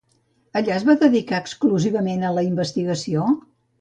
Allà es va dedicar exclusivament a la investigació?